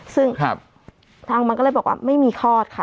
ซึ่งทางมันก็เลยบอกว่าไม่มีคลอดค่ะ